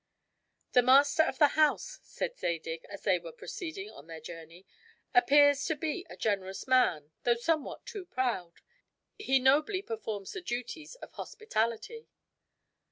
"The master of the house," said Zadig, as they were proceeding on the journey, "appears to be a generous man, though somewhat too proud; he nobly performs the duties of hospitality."